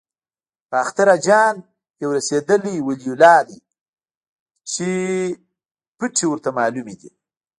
باختر اجان یو رسېدلی ولي الله دی چې پټې ورته معلومې دي.